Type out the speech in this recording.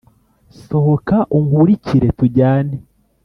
sohoka unkurikire tujyane! '